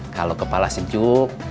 kalau kepala sejuk